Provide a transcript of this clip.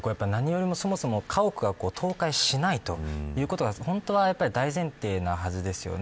なによりも家屋が倒壊しないということが本当は大前提のはずですよね。